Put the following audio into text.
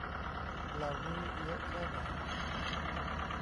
เหล่านี้เยอะแค่ไหน